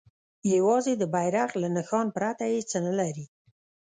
یوازې د بیرغ له نښان پرته یې څه نه لري.